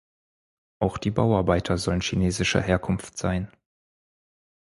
Auch die Bauarbeiter sollen chinesischer Herkunft sein.